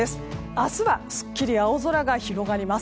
明日はすっきり青空が広がります。